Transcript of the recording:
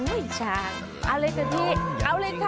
อุ๊ยช้างเอาเลยค่ะพี่เอาเลยค่ะ